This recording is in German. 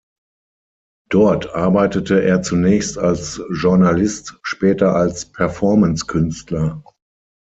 Dort arbeitete er zunächst als Journalist, später als Performancekünstler.